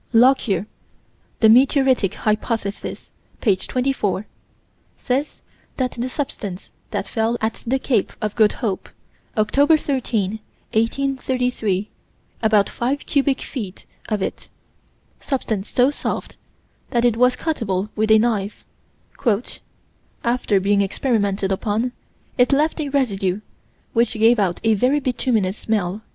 Lockyer (The Meteoric Hypothesis, p. 24) says that the substance that fell at the Cape of Good Hope, Oct. 13, 1838 about five cubic feet of it: substance so soft that it was cuttable with a knife "after being experimented upon, it left a residue, which gave out a very bituminous smell."